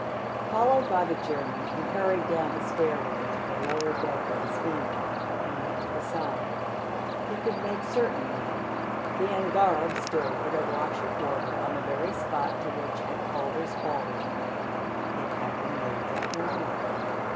Followed by the German, he hurried down the stairway to the lower deck of the steamer and went to the side. He could make certain now. The angareb stood in a wash of water on the very spot to which at Calder's order it had been moved that morning.